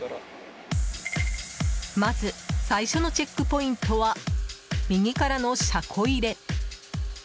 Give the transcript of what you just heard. まず、最初のチェックポイントは右からの車庫入れ。